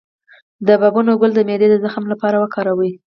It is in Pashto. د بابونه ګل د معدې د زخم لپاره وکاروئ